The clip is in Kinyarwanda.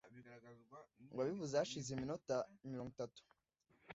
Wabivuze hashize iminota mirongo itatu .